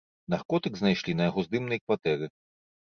Наркотык знайшлі на яго здымнай кватэры.